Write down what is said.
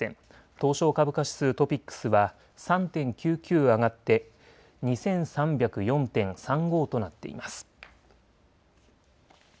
東証株価指数トピックスは３．９９上がって２３０４．３５となっています。